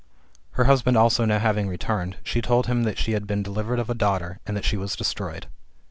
Her husband also having now returned, she told him that she had been delivered of a daughter, and that she was destroyed.